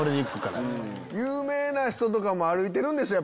有名な人とかも歩いてるでしょ